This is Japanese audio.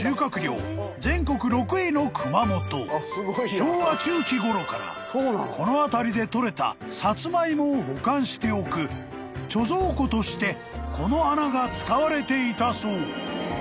［昭和中期ごろからこの辺りで採れたサツマイモを保管しておく貯蔵庫としてこの穴が使われていたそう］